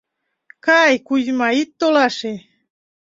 — Кай, Кузьма, ит толаше!